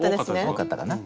多かったかな。